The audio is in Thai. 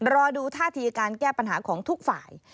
รอดูท่าทีการแก้ปัญหาของทุกฝ่าย